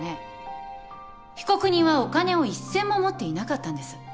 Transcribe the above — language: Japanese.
被告人はお金を一銭も持っていなかったんです。